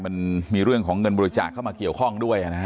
มันมีเรื่องของเงินบริจาคเข้ามาเกี่ยวข้องด้วยนะฮะ